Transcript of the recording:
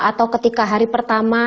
atau ketika hari pertama